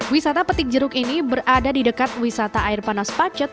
wisata petik jeruk ini berada di dekat wisata air panas pacet